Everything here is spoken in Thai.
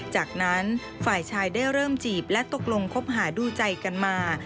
จากนั้นฝ่ายชายได้เริ่มจีบและตกลงคบหาดูใจกันมา